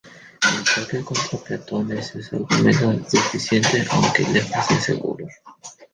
El choque contra peatones es algo menos deficiente aunque lejos de ser seguro.